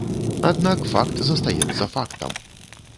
Аднак факт застаецца фактам.